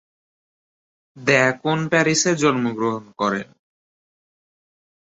The কোন প্যারিসে জন্মগ্রহণ করেন।